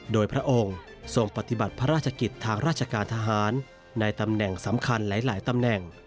โดยพระองค์ทรงปฏิบัติพระราชกิจทางราชการทหารในตำแหน่งสำคัญหลายตำแหน่ง